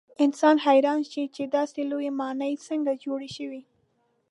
انسان حیران شي چې داسې لویې ماڼۍ څنګه جوړې شوې.